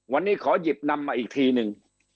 วันนี้ขอหยิบนำมาอีกทีหนึ่ง